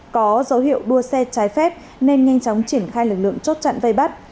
có dấu hiệu đua xe trái phép nên nhanh chóng triển khai lực lượng chốt chặn vây bắt